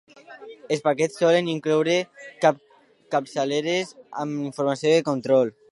Els paquets solen incloure capçaleres amb informació de control.